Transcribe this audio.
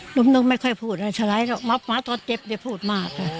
หนุ่มหนุ่มไม่ค่อยพูดอะไรชะล้ายรึเปล่ามาพอเจ็บจะพูดมาก